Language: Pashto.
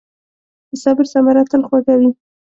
د صبر ثمره تل خوږه وي.